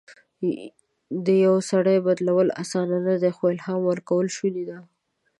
د یو سړي بدلول اسانه نه دي، خو الهام ورکول شونی ده.